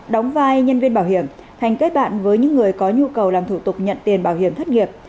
đóng vai nhân viên bảo hiểm hành kết bạn với những người có nhu cầu làm thủ tục nhận tiền bảo hiểm thất nghiệp